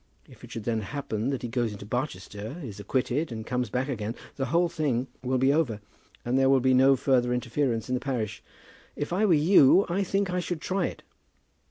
If it should then happen that he goes into Barchester, is acquitted, and comes back again, the whole thing will be over, and there will be no further interference in the parish. If I were you, I think I would try it."